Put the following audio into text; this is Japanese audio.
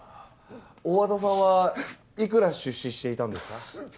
大和田さんはいくら出資していたんですか？